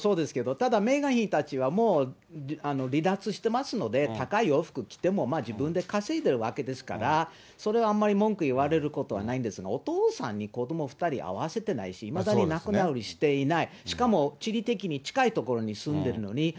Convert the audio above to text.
ただ、メーガン妃たちは、もう離脱してますので、高い洋服着ても、まあ自分で稼いでるわけですから、それはあんまり文句言われることはないんですが、お父さんに子ども２人会わせてないし、いまだに仲直りしていない。